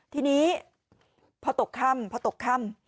ทีนี้พอตกข้ำ